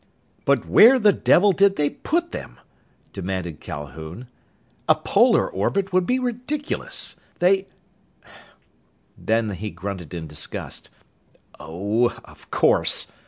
"But where the devil did they put them?" demanded Calhoun. "A polar orbit would be ridiculous! They " Then he grunted in disgust. "Oh! Of course!